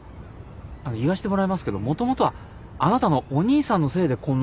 言わせてもらいますけどもともとはあなたのお兄さんのせいでこんなことに。